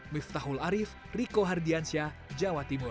miftahul arief riko hardiansyah jawa timur